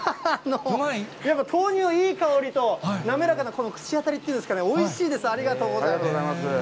やっぱり豆乳のいい香りと、滑らかなこの口当たりっていうんですかね、おいしいです、ありがとうございます。